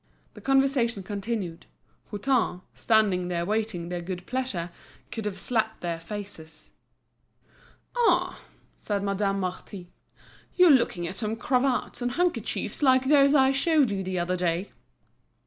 The conversation continued; Hutin, standing there waiting their good pleasure, could have slapped their faces. "Ah!" said Madame Marty, "you're looking at some cravats and handkerchiefs like those I showed you the other day."